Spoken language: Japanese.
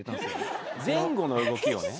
前後の動きをね。